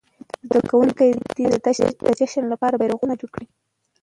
زده کوونکي د جشن لپاره بيرغونه جوړوي.